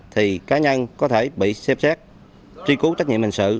thì cá nhân có thể bị xem xét truy cú trách nhiệm hành sự